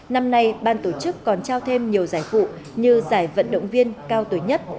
năm nay ban tổ chức còn trao thêm nhiều giải phụ như giải vận động viên cao tuổi nhất